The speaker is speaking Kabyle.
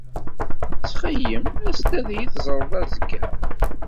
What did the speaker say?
Ttxil-m, as-d ad iyi-teẓreḍ azekka.